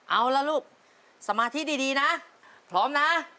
เอาล่ะลูกสมาธิดีนะพร้อมนะ